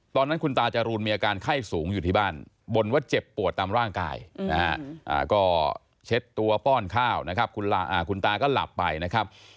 ตอนนั้นคุณตาจรูนมีอาการไข้สูงอยู่ที่บ้านบ่นว่าเจ็บปวดตามร่างกายนะฮะก็เช็ดตัวป้อนข้าวนะครับคุณตาก็หลับไปนะครับ